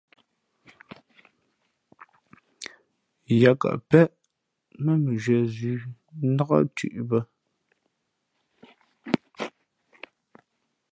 Yāā kαʼ péʼ mά mʉnzhwīē zʉ̄ nák thʉ̄ʼ bᾱ.